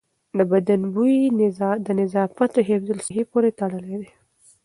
د بدن بوی د نظافت او حفظ الصحې پورې تړلی دی.